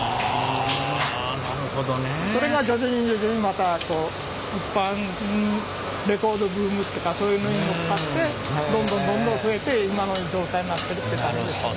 あなるほどね。それが徐々に徐々にまたレコードブームっていうかそういうのに乗っかってどんどんどんどん増えて今の状態になってるって感じですね。